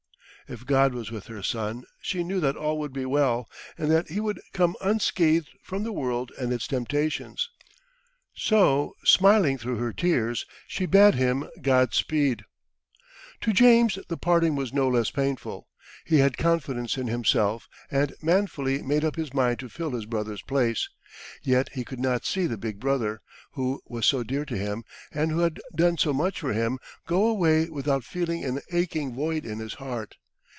If God was with her son, she knew that all would be well, and that he would come unscathed from the world and its temptations. So, smiling through her tears, she bade him God speed. [Illustration: She dried her tears and asked God to support her.] To James the parting was no less painful. He had confidence in himself, and manfully made up his mind to fill his brother's place. Yet he could not see the big brother, who was so dear to him, and who had done so much for him, go away without feeling an aching void in his heart.